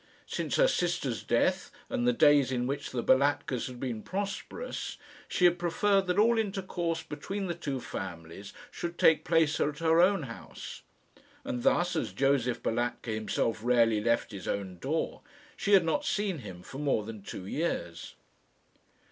Since her sister's death and the days in which the Balatkas had been prosperous, she had preferred that all intercourse between the two families should take place at her own house; and thus, as Josef Balatka himself rarely left his own door, she had not seen him for more than two years.